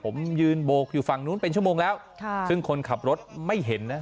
ผมยืนโบกอยู่ฝั่งนู้นเป็นชั่วโมงแล้วค่ะซึ่งคนขับรถไม่เห็นนะ